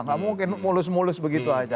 nggak mungkin mulus mulus begitu aja